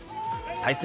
対する